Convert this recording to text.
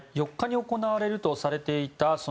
４日に行われるとされていた